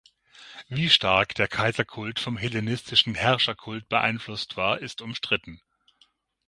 Wie stark der Kaiserkult vom hellenistischen Herrscherkult beeinflusst war, ist umstritten.